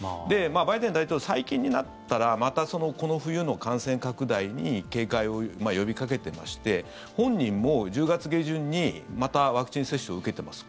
バイデン大統領、最近になったらまたこの冬の感染拡大に警戒を呼びかけていまして本人も１０月下旬にまたワクチン接種を受けています。